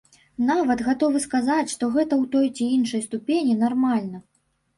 Нават гатовы сказаць, што гэта ў той ці іншай ступені нармальна.